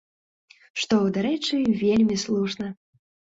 Што, дарэчы, вельмі слушна.